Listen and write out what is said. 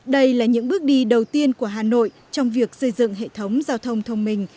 đây là những bước đi đầu tiên của hà nội trong việc xây dựng hệ thống giao thông thông minh